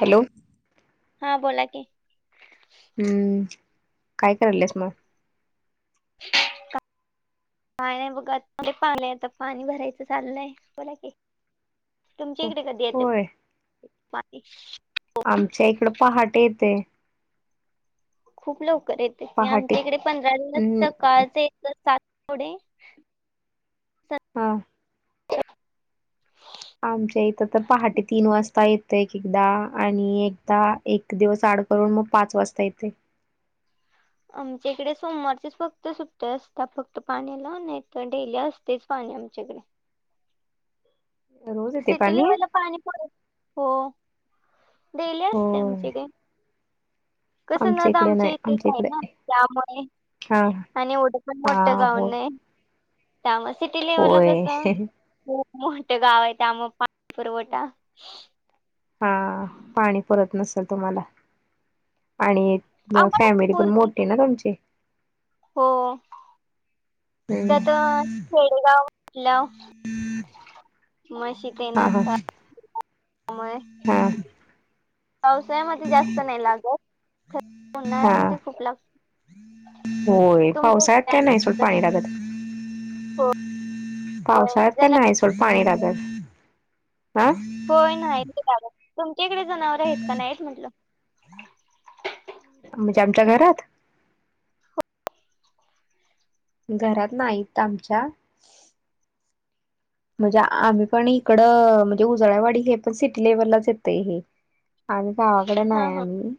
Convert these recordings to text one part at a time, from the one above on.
Hello! हा बोला की हम्म काय करायलेत मग [inaudible] काय नाही बघ.. आता पाणी आलंय आता पाणी भरायचं चाललंय.. बोला की तुमच्या इकडे कधी येत होय पाणी? आमच्या इकड पहाट येते खूप लवकर येत. पहाटे आमच्या इकडे पंधरा दिवस हम्म सकाळच येतं सात पूढे हा.. ह. आमच्या इथं तर पहाटे तीन वाजता ये एक एकदा आणि एकदा एक दिवस आड करून मग पाच वाजता येते आमच्या इकडे सोमवारचेच फक्त सुट्टे असतात फक्त पाण्याला नाही तर डेली असत तेच पाणी आमच्याकडे रोज येते सिटी लेवलला पाणी पुर हो डेली असते होय आमच्या इथ कसं ना नदी इकडे आमच्या नाही इथे का आहे ना इकडे त्यामुळे हा आणि एवढं पण हा मोठं गाव होय नाही त्यामूळ सिटी लेवलला कसं होय खूप मोठे गाव आहे त्यामुळे पाणी पुरवठा हा पाणी पुरत नसेल तुम्हाला आणि आम्हाला फॅमिली पण स्फूर्ती मोठीे ना तुमची हो त्यात हम्म खेडेगाव म्हटल्याव मशी ते हा हा असतात मुळे हा पावसाळ्यामध्ये जास्त नाही लागत हा उन्हाळ्यामध्ये खूप लागत होय पावसाळ्यात तुमच काय नाही सोड पाणी लागत [unintelligible] हो पावसाळ्यात काय नाही सोड पाणी लागत हा होय नाही लागत तुमच्या इकडे जनावर आहेत का नाही म्हटलं म्हणजे आमच्या घरात? घरात नाहीत इथ आमच्या म्हणजे आम्ही पण इकड म्हणजे उजळाईवाडी हे पण सिटी लेव्हललाच येतय हे आम्ही गावाकडे हा नाही हा आम्ही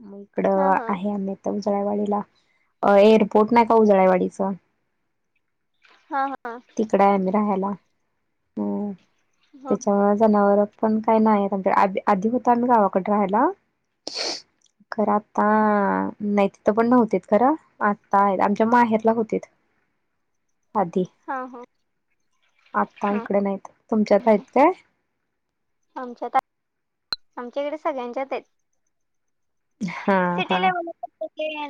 मग हा इकडं हा आहे आम उजळ्यावाडीला, एअरपोर्ट नाही का उजळ्यावाडीचा हा हा.. तिकडा आहे आम्ही राहायला अ हा त्याच्यामुळ जनावर पण काही नाही आ आ आधी होत गावाकडे राहायला खरं आता नाही तिथ पण नव्हते खरां आता आहेत आमच्या माहेरला होते आदी हा हो.. आता इकडे नाहीत.. तुमच्यात हा आहेत काय? आमच्यात आहेत.. आमच्याकडे सगळ्यांच्यात आहेत.. हा हा सिटी लेवल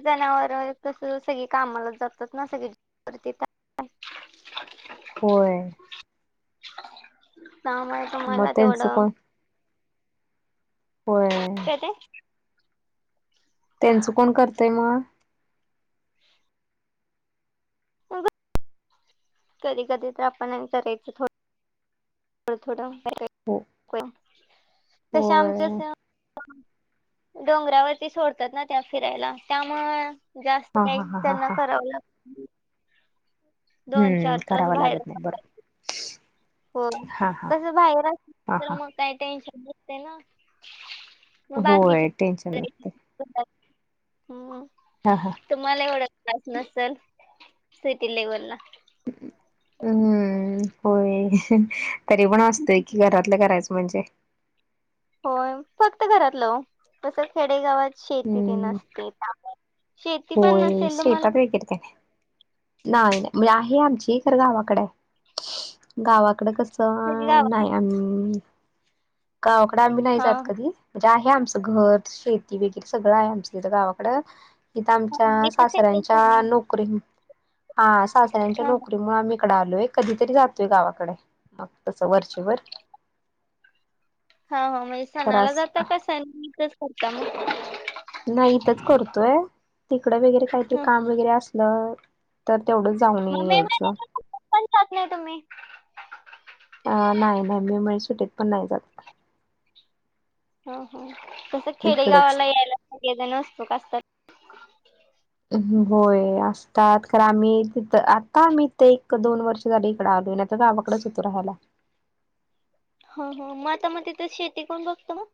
जनावर तस सगळी कामाला जातात ना सगळी [unintelligible] व्हय! काम आहे मग तूम्हाला त्यांचं तेवढं. कोण होय! त्यां ते. त्यांच कोण करतय म? [unintelligible] [unintelligible] थोडं हो तसे होय आमच्या डोंगरावरती सोडतात ना त्या फिरायला त्यामुळ जास्त हा हा काही हा हा त्यांना हा करावं लाग दोन हम्म चार तास करावं बाहेर. लागत नाही बरोबर हो हा हा तस बाहेर असल हा तर हा मग काही टेन्शन नाही त्याला. होय टेन्शन नसतय. [unintelligible] हा हां! तुम्हाला एवढा [unintelligible] नसेल सिटी लेव्हल ला. हूं होय! तरी पण असतंय की घरातलं करायचं म्हणजे. होय फक्त घरातलं वो तस खेडेगावात शेती ती हम्म नसते. शेती पण होय नसेल तुम्हाला शेतात [unintelligible] नाही, नाही मी आहे आमची खर गावाकडं आहे गावाकडं कस. चं गावात नाही आम गावा कड आम्ही नाही हा जात कधी. म्हणजे आहे आमचं घर, शेती वगैरे सगळं आहे आमचं तिथं गावाकडं. इथ आमच्या इथं सेटल सासऱ्यांच्या झालं नोकरी, हा सासऱ्यांच्या हा नोकरीमुळे आम्ही ईकड आलोय कधीतरी जातोय गावाकडे, मग तसं वरचे वर. हा ह म्हये सणाला खरास जाता का सण इथंच करता मग? नाही इथंच करतोय तिकड वगैरे काही ते ह काम वगैरे असलं तर तेवढंच जाऊनी मग मे यायचं. महिन्यात पण जात नाही तुम्ही. अ नाही नाही मी मंह सुटीत पण नाही जात. ह ह तसं इकडच खेडेगावाला यायला सगळे जनं उत्सुक असतात. होय असतात खर आम्ही तिथ आता आम्ही ईते एक दोन वर्ष झाले इकड आलो ना त गावाकड होतो राहायला. हं हं म आता म तिथं शेती कोण बघत म.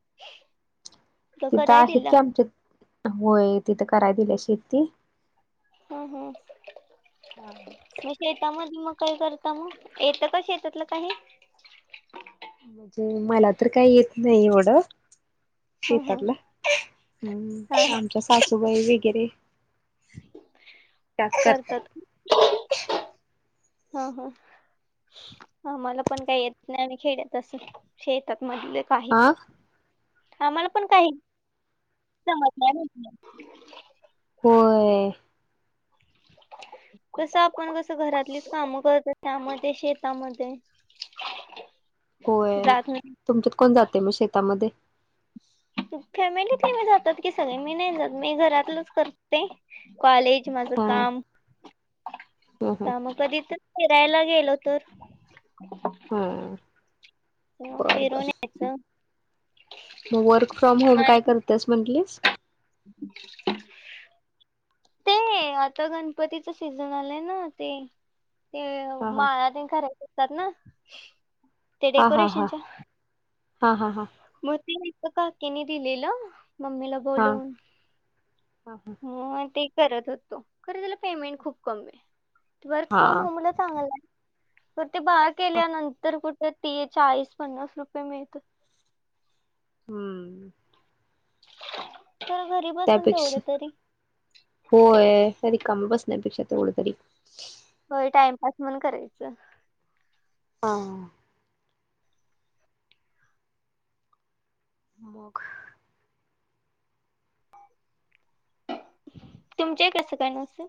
तिथं आहेत की आमच्या होय तिथं कराय दिल्या शेती. हूं हूं! मग शेतामध्ये मग काही करता मग, येतं का शेतातलं काही. म्हणजे मला तर काही येत नाही एवढं. ह ह शेतातला हा हूं हा आमच्या सासूबाई वगैरे. करतात. हं हं! आमाला पण काही येत नाही, आमी खेड्यात असून शेतात मधलं. हा काहीच, आम्हाला पण काही जमत नाही म्हटलं. होय! कसं आपण कसं घरातलीच काम करत त्यामुळे ते शेतामध्ये होय जात नाही तुमच्यात कोण जातय म शेतामध्ये. फॅमिलीत जातात की सगळे मी नाही जात मी घरातलंच करते. कॉलेज माझं हा काम ह ह तर मग कधीतर फिरायला गेलो तर हम्. फिरून यायचं. मग वर्क फ्रॉम मग होम आणि काय करतेस म्हंटलीस? ते आता गणपतीच सीझन आलंय ना ते ते हा हा माळा ते खर करतात ना ते हां हां हां, डेकोरेशनच्या हां हां हां. म ते एक काक्याने दिलेला मममीला हा. बोलून हा हा म ते करत होतो खरं त्याला पेमेंट खूप कमी आहे वर्क फ्रॉम हा होमला चांगला आहे तर ते बारा केल्यानंतर कुठे ती चाळीस पन्नास रुपये मिळत हम्म तर घरी बसून तेवढं त्यापेक्षा तरी होय अस रिकाम्या बसण्यापेक्षा तेवढं तरी. हो टाइमपास म्हणून करायचं. हां. मग, तुमचे कसं का न असल?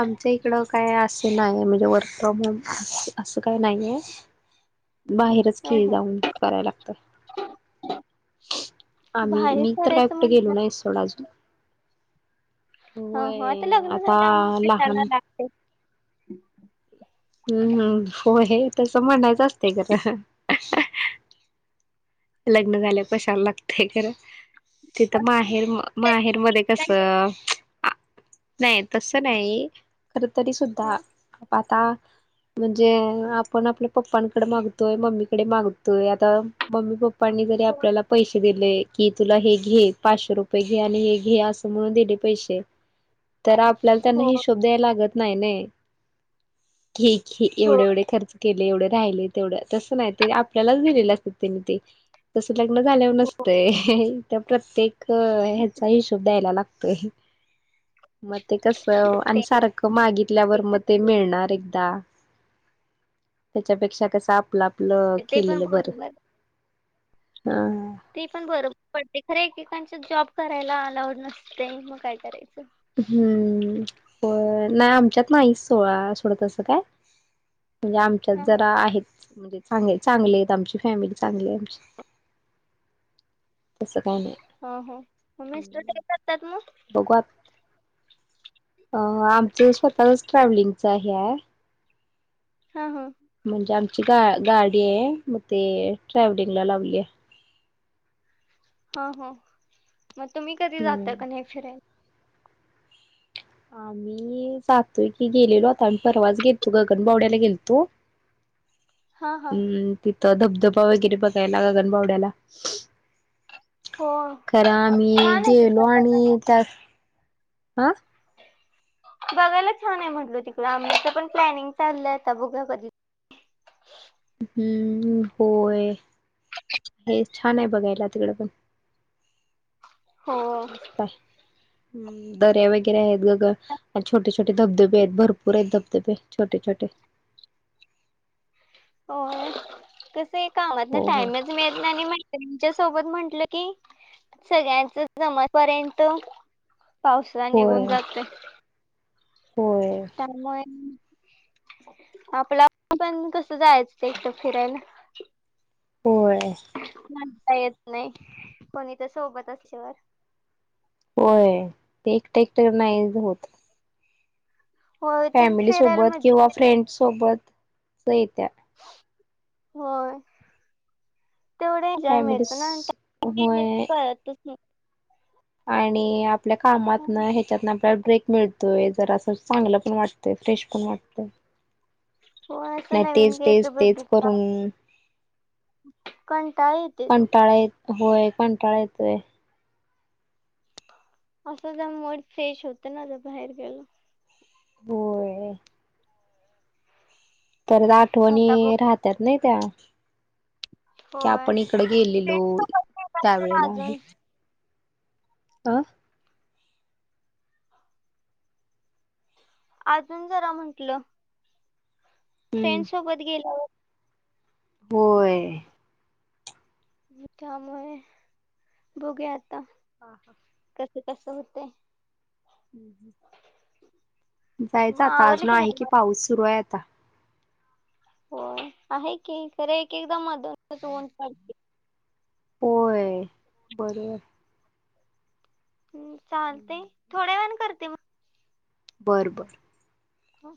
आमच एक [unintelligible] इकड काय असं नाहीय म्हणजे वर्क फ्रॉम होम अस असं काही नाहीये. बाहेरच हं खेळै हं. जाऊन कराय लागत. आम्ही बाहेर मी तर काय करायचं कुठे गेलो म्हटलं नाही सोडाजून. ह हो आता लग्न झालंला [unintelligible] लागते हम्म हो हे तस म्हणायचं असते ग. लग्न झाल्या कशायला लागते खरं. तिथं माहेर माहेरमध्येध्ये कसं नाही तस नाही खर तरी सुद्धा हा. आता म्हणजे आपण आपल्या पप्पांकडे मागतोय मम्मीकडे मागतोय आता मम्मी पप् नी जरी हो आपल्याला पैसे दिले कि तुला हे घे पाचशे रुपये घे आणि हे घे असं म्हणून दिले पैसे तर आपल्याला त्यांना हो हिशोब द्याय लागत नाही नये. हो एवढे एवढे खर्च केले एवढे राहिले तेवढं तस नाही ते आपल्यालाच दिलेलं असत त्यांनी ते. तस लग्न झाल्यावर नसतं त्या प्रत्येक ह ह्याचा हिशोब द्यायला लागतोय. मग ते कसं आणि ते सारखं मागितल्यावर मग ते मिळणार एकदा, त्याच्यापेक्षा कसं आपलं आपलं ते पण केलेलं बरं. बरोबर हा ते पण बरोबर पडते खर एकेकांच्या जॉब करायला अलाउड नसते मग काय करायचं? हम्म नाही आमच्यात नाही सोड सोडा तसं काय म्हणजे आमच्यात हा हा जरा आहेत म्हणजे चांग चांगले आहेत आमची फॅमिली चांगली आहे आमची तसं काही नाही हा हो म मिस्टर काय करतात मग? बघू आत अ आमचं स्वतःच ट्रॅव्हलिंगच हे आहे. हा. हा. म्हणजे आमची गा गाडी आहे, मग ते ट्रॅव्हलिंगला लावल्या, ह हो मग तुम्ही कधी हम्म जाता का नाही फिरायला? आम्ही जातोय की, गेलेलो आता आम्ही परवाच गेलतो गगनबावड्याला गेलतो. हा. हा. हम्म तिथं धबधबा वगैरे बघायला गगनबावड्याला, हो खरं आम्ही छान आहे गेलो तिकडं आणि त्यात.. आं बघायला छान आहे म्हटलं तिकडं, आमचं पण प्लॅनिंग चाललंय आता बघुया कधी हं होय, हे छान आहे, बघायला तिकडंपण. हो मस्त आहे हं दर्या वगैरे आहेत गग आन छोटे -छोटे धबधबे आहेत, भरपूर आहेत धबधबे छोटे छोटे हो..., कसाय कामातनं हो हो टाइमच मिळत नाय आणि मैत्रीणच्या सोबत म्हंटलं की, सगळ्यांच जमपर्यंत पावसाळा निघून होय जातोय होय त्यामुळे आपला आपण कसं जायचं ते, एकटं फिरायला. होय म्हणता येत नाही कोणी, तर सोबत असल्यावर. होय ते एकटं एकटं नाहीयच होत. होय ते फॅमिली फिरायला सोबत मजा किंवा येते फ्रेंडस सोबत ज येत्या होय. तेवढं येन्जॉय फॅमिली मिळतो ना आण [inaudible] होय कळतंच नाही आणि आपल्या कामातन, नाही ह्याच्यातनं, आपल्याला ब्रेक मिळ तोय जरासं चांगलं पण वाटतंय, फ्रेश पण वाटतंय. होय असं नाही नवीन तेच, काहीतरी तेच, तेच बघितलं करून कंटाळा येते तो कंटाळा येत, होय कंटाळा येतोय. असं जाऊन मूड फ्रेश होतं ना ज बाहेर गेल. होय... परत आता बघ आठवणी राहत्यात नाही त्या, की, होय आपण इकडं गेलेलो, फ्रेंड सोबत गेला तर त्यावेेळेला. अजून अ.. अजून जरा म्हंटलं, हम्म फ्रेंड्स सोबत गेल्यावर होय. आणि त्यामुळे बघूया आता. ह हा.. कसं तसं हुतंय [inaudible] जायचं मग आता आवरलं अजून आहे नाही की, मग पाऊस सुरू आहे आता. होय आहे की, खरं एक- एकदा मधूनच ऊन पडतयं. होय, बरोबर. हम चालतंय, थोड्या वेळानं करते मग बरं बरं हां.